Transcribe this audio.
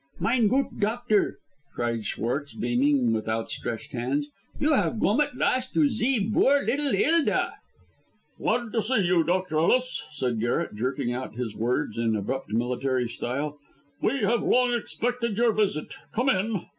"Mine goot doctor," cried Schwartz, beaming, with outstretched hands, "you haf gome at last to zee boor liddle Hilda!" "Glad to see you, Dr. Ellis," said Garret, jerking out his words in abrupt military style. "We have long expected your visit. Come in."